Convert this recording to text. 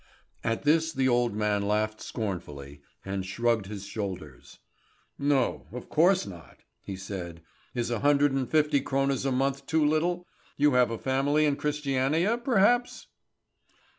At this the old man laughed scornfully, and shrugged his shoulders. "No, of course not," he said. "Is a hundred and fifty krones a month too little? You have a family in Christiania, perhaps?"